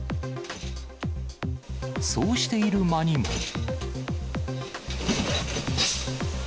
そうしている間にも。